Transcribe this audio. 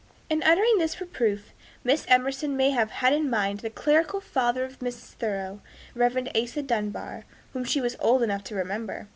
In uttering this reproof, Miss Emerson may have had in mind the clerical father of Mrs. Thoreau, Rev. Asa Dunbar, whom she was old enough to remember.